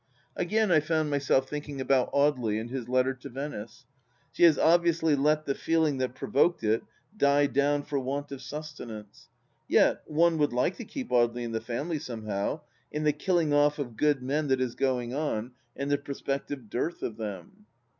Again I found myself thinking about Audely and his letter to Venice. She has obviously let the feeling that provoked it die down for want of sustenance. Yet one would like to keep Audely in the family, somehow, in the killing off of good men that is going on and the prospective dearth of them.